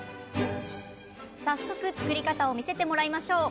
早速、作り方を見せてもらいましょう。